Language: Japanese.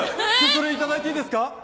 それ頂いていいですか？